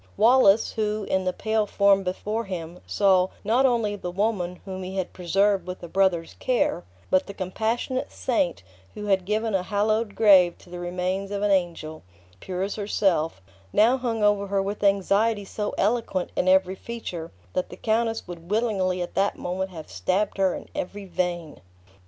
Wallace, who, in the pale form before him, saw, not only the woman whom he had preserved with a brother's care, but the compassionate saint, who had given a hallowed grave to the remains of an angel, pure as herself, now hung over her with anxiety so eloquent in every feature that the countess would willingly at that moment have stabbed her in every vein.